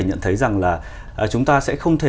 nhận thấy rằng là chúng ta sẽ không thể